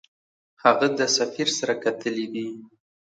هغه د سفیر سره کتلي دي.